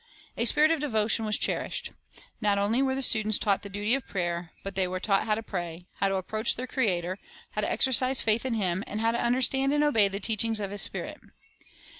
A spirit of devotion was cherished. Not only were the students taught the duty of prayer, but they were taught how to pray, how to approach their Creator, how to exercise faith in Him, and how to understand and obey the teachings of His Spirit.